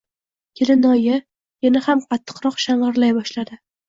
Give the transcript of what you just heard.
Kelinoyi yana ham qattiqroq shang‘illay boshladi.